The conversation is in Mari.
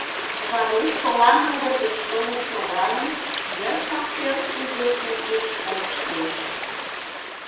Варуш, шола могыр гыч толын шогалын, йыштак пӧрт угыл шеҥгеч колыштеш.